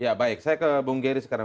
ya baik saya ke bung gery sekarang